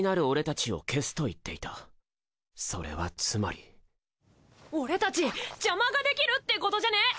俺たちを消すと言っていたそれはつまり俺たち邪魔ができるってことじゃね！？